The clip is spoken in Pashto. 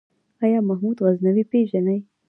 آيا محمود غزنوي پېژنې ؟